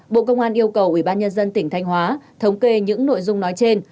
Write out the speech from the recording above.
bộ công an yêu cầu ủy ban nhân dân tỉnh thanh hóa thống kê những nội dung nói trên